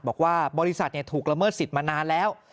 บอกว่าบริษัทถูกละเมิดสิทธิ์มานานแล้ว